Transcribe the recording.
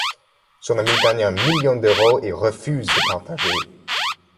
Son ami gagne un million d'euros et refuse de partager.